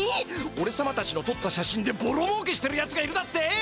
おれさまたちのとった写真でぼろもうけしてるやつがいるだって！？